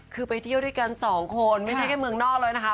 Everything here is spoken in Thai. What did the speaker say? คือไปเที่ยวด้วยกันสองคนไม่ใช่แค่เมืองนอกแล้วนะคะ